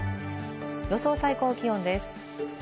予想最高気温です。